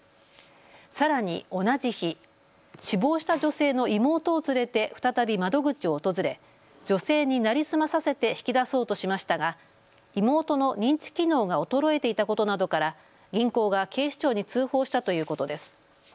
さらに同じ日、死亡した女性の妹を連れて再び窓口を訪れ女性に成り済まさせて引き出そうとしましたが妹の認知機能が衰えていたことなどから銀行が警視庁に通報したということです。